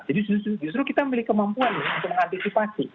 jadi justru kita memiliki kemampuan untuk mengantisipasi